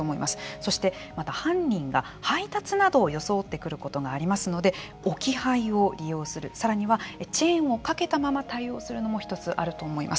そして、犯人が配達などを装ってくることもありますので置き配を利用するさらには、チェーンをかけたまま対応するのも１つあると思います。